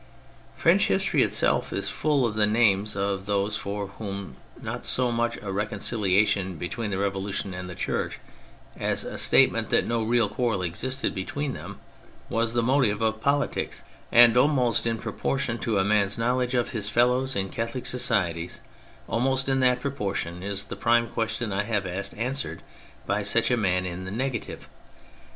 French history itself is full of the names of those for whom not so much a reconciliation between the Revolution and the Church, as a statement that no real quarrel existed between them, was the motive of politics; and almost in propor tion to a man's knowledge of his fellows in Catholic societies, almost in that proportion is the prime question I have asked answered by such a man in the negative.